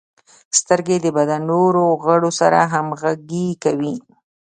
• سترګې د بدن نورو غړو سره همغږي کوي.